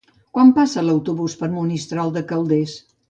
Quan passa l'autobús per Monistrol de Calders?